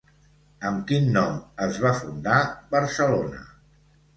Amb quin nom es va fundar Barcelona?